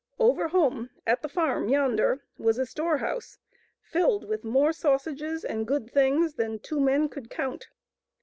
Over home at the farm yonder was a storehouse filled with more sausages and good things than two men could count.